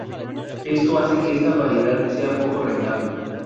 Esto hace que esta variedad sea poco rentable.